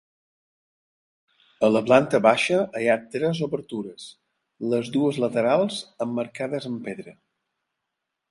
A la planta baixa hi ha tres obertures, les dues laterals emmarcades en pedra.